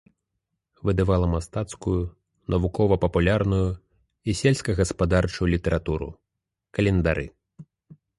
Выдавала мастацкую, навукова-папулярную і сельскагаспадарчую літаратуру, календары.